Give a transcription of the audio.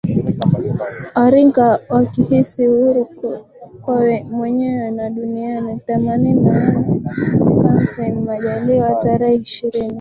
orinka wakihisi huru kwa wenyewe na dunia Themanini na nane Kassim Majaliwa tarehe ishirini